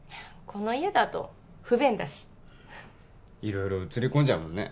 この家だと不便だし色々写り込んじゃうもんね